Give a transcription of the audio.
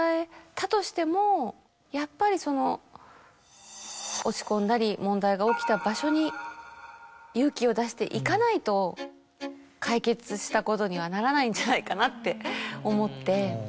やっぱりその落ち込んだり問題が起きた場所に勇気を出して行かないと解決したことにはならないんじゃないかなって思って。